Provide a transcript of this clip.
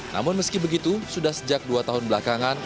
namun meski begitu sudah sejak dua tahun belakangan